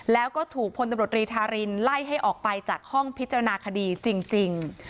แล้วก็ถูกพลตำรวจรีธารินไล่ให้ออกไปจากห้องพิจารณาคดีจริง